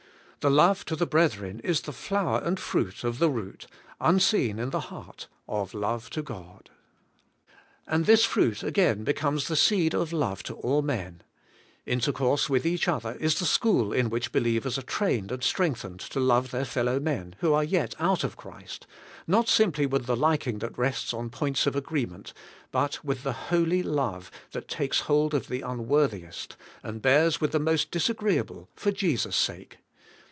The love to the brethren is the flower and fruit of the root, unseen in the heart, of love to God. And this fruit again be comes the seed of love to all men: intercourse with each other is the school in which believers are AND IN LOVE TO THE BRETHREN. 195 trained and strengthened to love their fellow men, who are yet out of Christ, not simply with the liking that rests on points of agreement, but with the holy love that takes hold of the unworthiest, and bears with the most disagreeable for Jesus' sake.